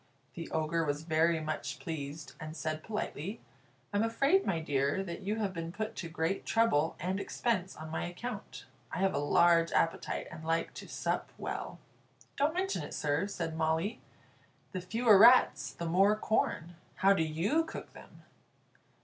The Ogre was very much pleased, and said politely: "I'm afraid, my dear, that you have been put to great trouble and expense on my account, I have a large appetite, and like to sup well." "Don't mention it, sir," said Molly. "The fewer rats the more corn. How do you cook them?"